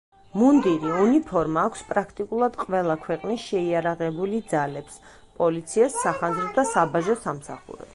მუნდირი, უნიფორმა აქვს პრაქტიკულად ყველა ქვეყნის შეიარაღებული ძალებს, პოლიციას, სახანძრო და საბაჟო სამსახურებს.